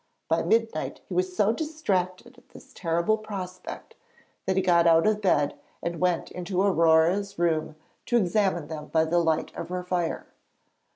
By midnight he was so distracted at this terrible prospect that he got out of bed and went into Aurore's room to examine them by the light of her fire.